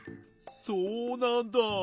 そうなんだ。